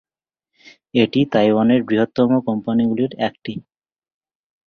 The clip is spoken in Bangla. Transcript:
এটি তাইওয়ানের বৃহত্তম কোম্পানিগুলির একটি।